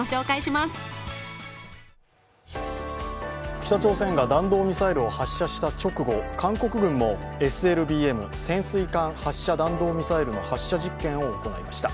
北朝鮮が弾道ミサイルを発射した直後韓国軍もＳＬＢＭ＝潜水艦発射弾道ミサイルの発射実験を行いました。